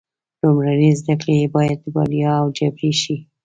لومړنۍ زده کړې باید وړیا او جبري شي.